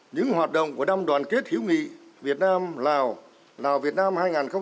những hoạt động của năm đoàn kết hữu nghị việt nam lào lào việt nam hai nghìn một mươi tám